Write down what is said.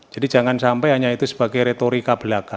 jadi jangan sampai hanya itu sebagai retori kabelaka